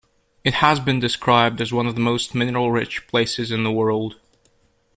It has been described as one of the most mineral-rich places in the world.